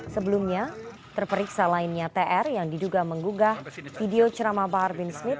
sebelumnya terperiksa lainnya tr yang diduga menggugah video cerama bahar bin smith